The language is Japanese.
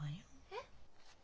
えっ？